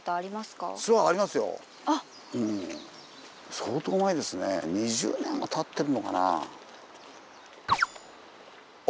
相当前ですね２０年はたってるのかなあ。